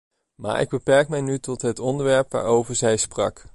Maar ik beperk mij nu tot het onderwerp waarover zij sprak.